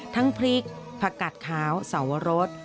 ทั้งพริกผักกัดขาวสวรส